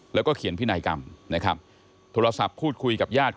แล้วก็เขียนพินัยกรรมนะครับ